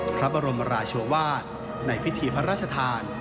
พระบรมราชวาสในพิธีพระราชทาน